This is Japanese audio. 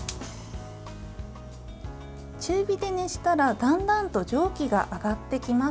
中火で熱したらだんだんと蒸気が上がってきます。